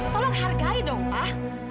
tolong hargai dong pak